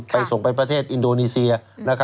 ส่งไปประเทศอินโดนีเซีย